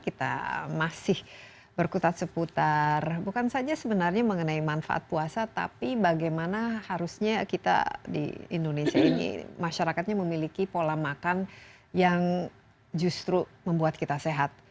kita masih berkutat seputar bukan saja sebenarnya mengenai manfaat puasa tapi bagaimana harusnya kita di indonesia ini masyarakatnya memiliki pola makan yang justru membuat kita sehat